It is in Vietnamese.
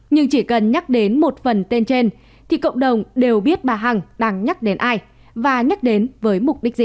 nhưng chỉ cần nhắc đến một phần tên trên thì cộng đồng đều biết bà hằng đang nhắc đến ai và nhắc đến với mục đích gì